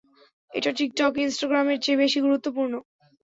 এটা টিকটক, ইনস্টাগ্রামের চেয়ে বেশি গুরুত্বপূর্ণ।